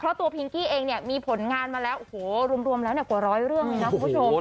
เพราะตัวพิงกี้เองเนี่ยมีผลงานมาแล้วโอ้โหรวมแล้วกว่าร้อยเรื่องเลยนะคุณผู้ชม